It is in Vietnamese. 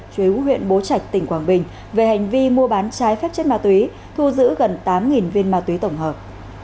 chú huyện bố trạch tỉnh quảng bình về hành vi mua bán trái phép chất ma túy thu giữ gần tám viên ma túy tổng hợp